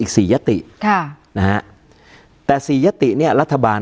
การแสดงความคิดเห็น